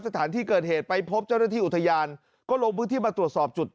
สถานที่เกิดเหตุไปพบเจ้าหน้าที่อุทยานก็ลงพื้นที่มาตรวจสอบจุด